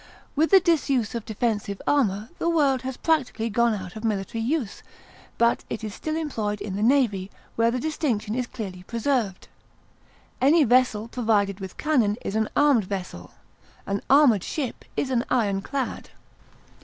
With the disuse of defensive armor the word has practically gone out of military use, but it is still employed in the navy, where the distinction is clearly preserved; any vessel provided with cannon is an armed vessel; an armored ship is an ironclad.